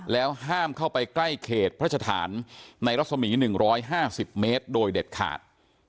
แล้วห้ามเข้าไปใกล้เขตพระสถานในรัศมี๑๕๐เมตรโดยเด็ดขาด